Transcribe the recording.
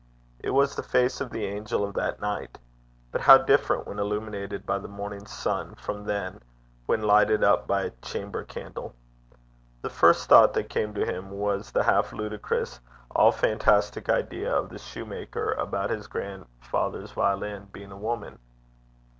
It was the face of the angel of that night; but how different when illuminated by the morning sun from then, when lighted up by a chamber candle! The first thought that came to him was the half ludicrous, all fantastic idea of the shoemaker about his grandfather's violin being a woman.